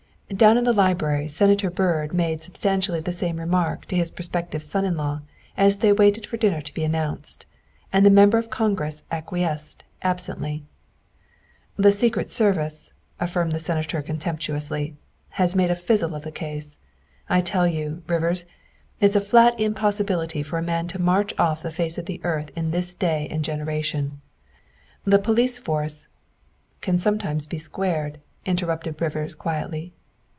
Down in the library Senator Byrd made substan tially the same remark to his prospective son in law as they waited for dinner to be announced, and the Member of Congress acquiesced absently. " The Secret Service," affirmed the Senator con temptuously, '' has made a fizzle of the case. I tell you, Rivers, it's a flat impossibility for a man to march off the face of the earth in this day and generation. The police force " Can sometimes be squared," interrupted Rivers quietly.